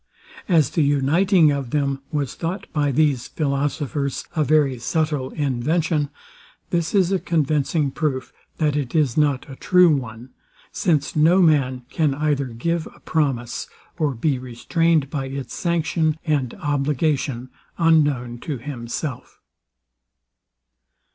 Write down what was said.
As the uniting of them was thought by these philosophers a very subtile invention, this is a convincing proof, that it is not a true one; since no man can either give a promise, or be restrained by its sanction and obligation unknown to himself.